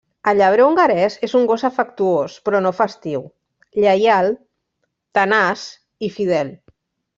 El llebrer hongarès és un gos afectuós però no festiu, lleial, tenaç i fidel.